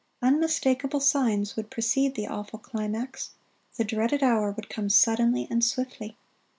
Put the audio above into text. Unmistakable signs would precede the awful climax. The dreaded hour would come suddenly and swiftly.